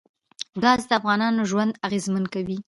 ګاز د افغانانو ژوند اغېزمن کوي.